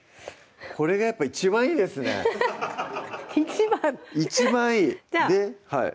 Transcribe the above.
これがやっぱ一番いいですね一番いい！